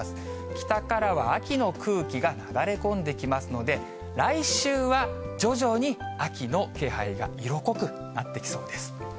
北からは秋の空気が流れ込んできますので、来週は徐々に秋の気配が色濃くなってきそうです。